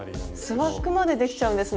スワッグまでできちゃうんですね！